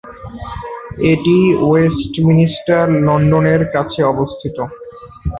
এটি ওয়েস্টমিনিস্টার, লন্ডনের কাছে অবস্থিত।